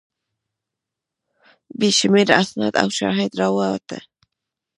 بې شمېره اسناد او شواهد راووتل.